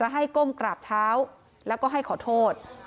ให้ก้มกราบเท้าแล้วก็ให้ขอโทษ